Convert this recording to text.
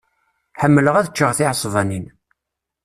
Ḥemmleɣ ad ččeɣ tiɛesbanin.